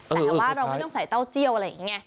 แต่ว่าเราไม่ต้องใส่เต้าเจี้ยวอะไรอย่างนี้ไง